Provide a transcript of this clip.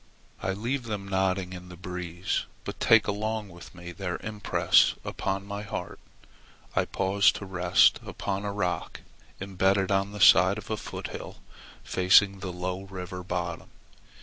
I leave them nodding in the breeze, but take along with me their impress upon my heart. I pause to rest me upon a rock embedded on the side of a foothill facing the low river bottom.